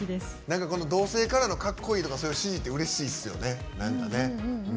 何かこの同性からのかっこいいとかそういう支持ってうれしいですよね。